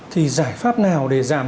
thì giải pháp nào để giảm